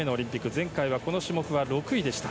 前回は、この種目は６位でした。